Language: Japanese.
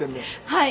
はい。